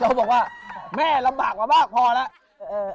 บอกว่าแม่ลำบากมามากพอแล้ว